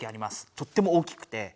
とっても大きくて。